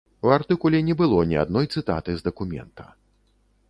У артыкуле не было ні адной цытаты з дакумента.